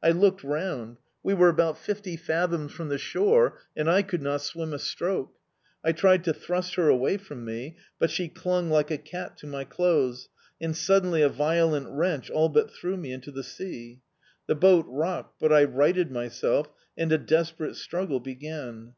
I looked round. We were about fifty fathoms from the shore, and I could not swim a stroke! I tried to thrust her away from me, but she clung like a cat to my clothes, and suddenly a violent wrench all but threw me into the sea. The boat rocked, but I righted myself, and a desperate struggle began.